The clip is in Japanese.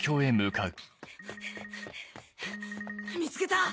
見つけた！